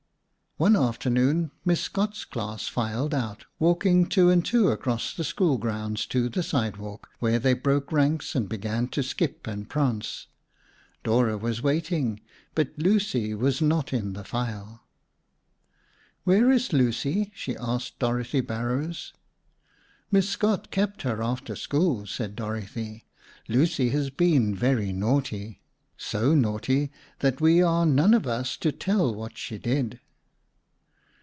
One afternoon, Miss Scott's class filed out, walking two and two across the school grounds to the sidewalk, where they broke ranks and began to skip and prance. Dora was waiting, but Lucy was not in the file. "Where is Lucy?" she asked Dorothy Barrows. "Miss Scott kept her after school," said Dorothy. "Lucy has been very naughty, so naughty that we are none of us to tell what she did."